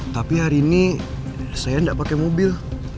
tapi hari ini saya tidak pakai mobil